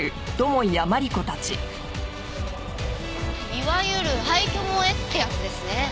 いわゆる廃墟萌えってやつですね。